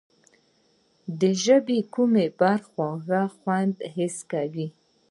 د ژبې کومه برخه خوږ خوند حس کوي؟